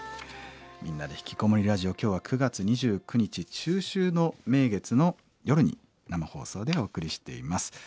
「みんなでひきこもりラジオ」今日は９月２９日中秋の名月の夜に生放送でお送りしています。